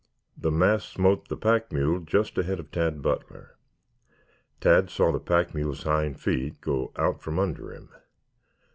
The mass smote the pack mule just ahead of Tad Butler. Tad saw the pack mule's hind feet go out from under him.